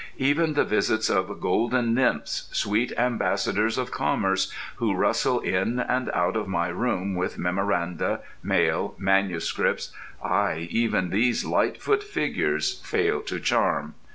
Even the visits of golden nymphs, sweet ambassadors of commerce, who rustle in and out of my room with memoranda, mail, manuscripts, aye, even these lightfoot figures fail to charm.